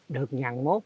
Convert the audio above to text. được nhằn mốt